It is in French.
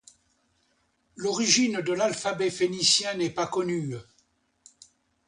L'origine de l'alphabet phénicien n'est pas connue.